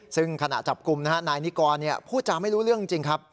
ซึ่งขณะจับกลุ่มนะฮะนายนิกรพูดจาไม่รู้เรื่องจริงครับ